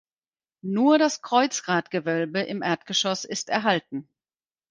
Nur das Kreuzgratgewölbe im Erdgeschoss ist erhalten.